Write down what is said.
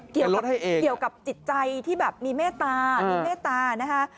เกี่ยวกับจิตใจที่แบบมีเมตตามีเมตตานะคะ